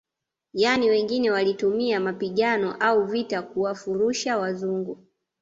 Yani wengine walitumia mapigano au vita kuwafurusha wazungu